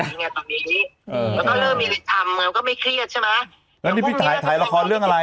แล้วก็เริ่มมีอะไรทำมันก็ไม่เครียดใช่ไหมแล้วนี่พี่ถ่ายถ่ายละครเรื่องอะไร